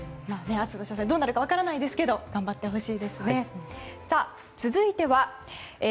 明日の初戦どうなるか分からないですけど頑張ってほしいですね。